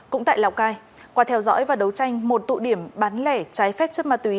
cũng tại lào cai qua theo dõi và đấu tranh một tụ điểm bán lẻ trái phép chất ma túy